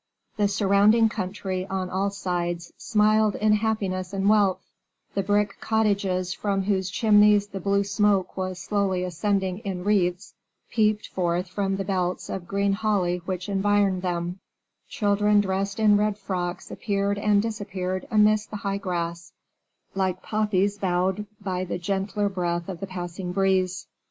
The surrounding country on all sides smiled in happiness and wealth; the brick cottages from whose chimneys the blue smoke was slowly ascending in wreaths, peeped forth from the belts of green holly which environed them; children dressed in red frocks appeared and disappeared amidst the high grass, like poppies bowed by the gentler breath of the passing breeze.